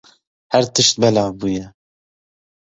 Her tişt belav bûye.